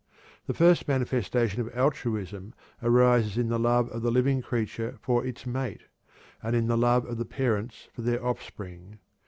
The first manifestation of altruism arises in the love of the living creature for its mate, and in the love of the parents for their offspring.